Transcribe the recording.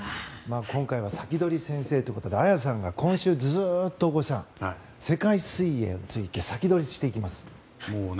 今回はサキドリ先生ということで綾さんが今週、ずっと世界水泳について先取りをしていきます。